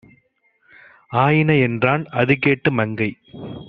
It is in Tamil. ஆயின" என்றான். அதுகேட்டு மங்கை